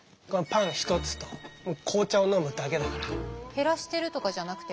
減らしてるとかじゃなくて？